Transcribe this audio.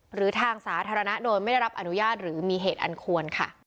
หรือทางสาธารณะโดยไม่ได้รับอนุญาตหรือมีเหตุอันควรค่ะ